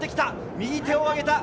右手を上げた。